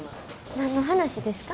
何の話ですか？